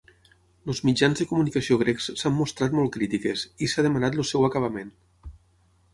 Els mitjans de comunicació grecs s'han mostrat molt crítiques, i s'ha demanat el seu acabament.